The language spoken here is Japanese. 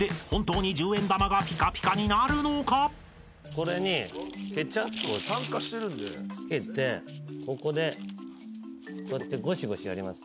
これにケチャップを付けてここでこうやってゴシゴシやります。